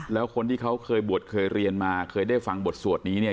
แล้วคนที่เขาเคยบวชเคยเรียนมาเคยได้ฟังบทสวดนี้เนี่ย